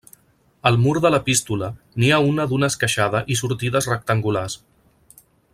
Al mur de l'epístola n'hi ha una d'una esqueixada i sortides rectangulars.